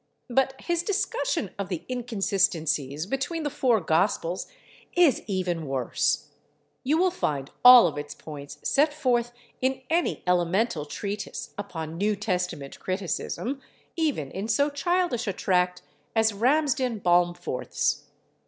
But his discussion of the inconsistencies between the Four Gospels is even worse; you will find all of its points set forth in any elemental treatise upon New Testament criticism—even in so childish a tract as Ramsden Balmforth's.